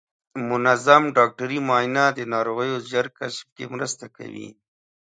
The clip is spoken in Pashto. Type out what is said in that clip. منظم ډاکټري معاینه د ناروغیو ژر کشف کې مرسته کوي.